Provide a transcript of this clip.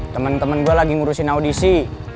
temen temen gue lagi ngurusin audisi